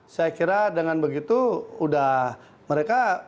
saya kira dengan begitu udah mereka